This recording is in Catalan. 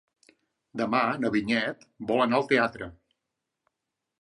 Demà na Vinyet vol anar al teatre.